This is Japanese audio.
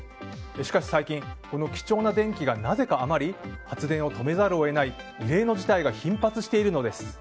しかし最近この貴重な電気がなぜか余り発電を止めざるを得ない異例の事態が頻発しているのです。